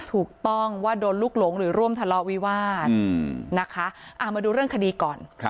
ถูกต้องว่าโดนลูกหลงหรือร่วมทะเลาะวิวาสนะคะมาดูเรื่องคดีก่อน